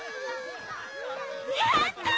やったぁ！